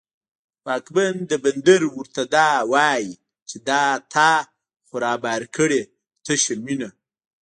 واکمن د بندر ورته دا وايي، چې دا تا خو رابار کړې تشه مینه